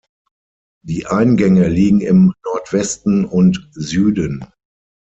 Die Eingänge liegen im Nordwesten und Süden.